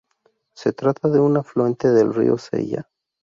Se trata de un afluente del río Sella.